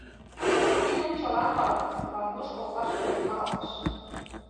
— Тидым чылан палат, — Ванюш коклаш пурен каласыш.